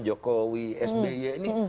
dari jokowi sby ini